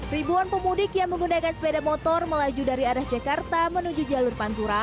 ribuan pemudik yang menggunakan sepeda motor melaju dari arah jakarta menuju jalur pantura